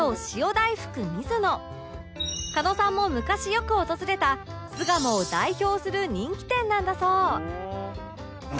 狩野さんも昔よく訪れた巣鴨を代表する人気店なんだそう